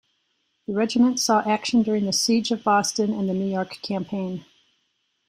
The regiment saw action during the Siege of Boston and the New York Campaign.